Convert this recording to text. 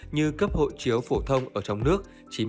như cấp hộ chiếu phổ thông ở trong nước